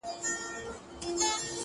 پيل كي وړه كيسه وه غـم نه وو ـ